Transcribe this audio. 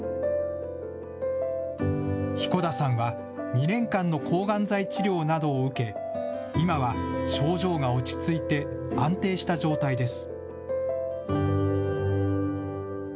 彦田さんは、２年間の抗がん剤治療などを受け、今は症状が落ち着いて安定した状態です。